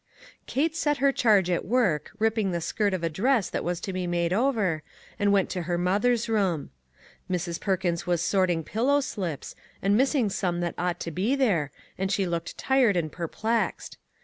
Kate set her charge at work, ripping the skirt of a dress that was to be made over, and went to her mother's room. Mrs. Perkins was sort ing pillow slips, and missing some that ought to be there, and she looked tired and perplexed.